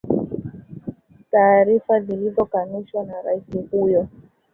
taarifa zilizo kanushwa na rais huyo